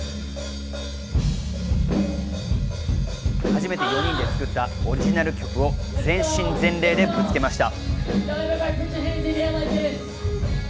初めて４人で作ったオリジナル曲を全身全霊でぶつけました。